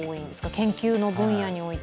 研究の分野において。